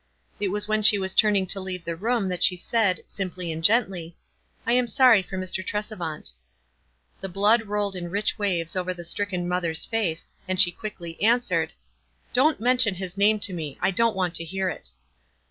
It was when she was turning to leave the room that she said, simply and gently, — "I am sorry for Mr. Tresevant." The blood rolled in rich waves over the stricken mother's face, and she quickly an swered, — "Don't mention his name to me. I don't want to hear it."